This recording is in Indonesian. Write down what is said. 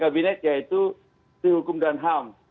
kabinet yaitu menteri hukum dan ham